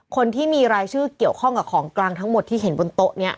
คนที่มีรายชื่อเกี่ยวข้องกับของกลางทั้งหมดที่เห็นบนโต๊ะนี้